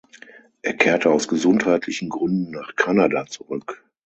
Er kehrte aus gesundheitlichen Gründen nach Kanada zurück.